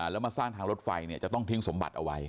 แล้วมาสร้างทางรถไฟจะต้องทิ้งสมบัติเอาไว้